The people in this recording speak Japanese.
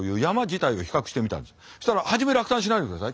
そしたら初め落胆しないでください。